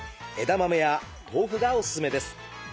枝豆や豆腐がおすすめです。